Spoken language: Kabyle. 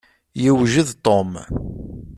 Yewjed Tom.